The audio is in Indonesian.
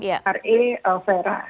atau ra fera